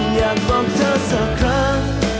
อยากบอกเธอสักครั้ง